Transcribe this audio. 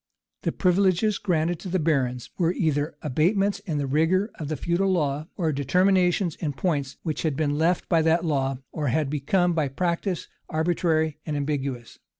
The privileges granted to the barons were either abatements in the rigor of the feudal law, or determinations in points which had been left by that law, or had become, by practice, arbitrary and ambiguous.